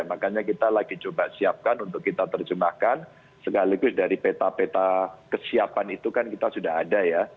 makanya kita lagi coba siapkan untuk kita terjemahkan sekaligus dari peta peta kesiapan itu kan kita sudah ada ya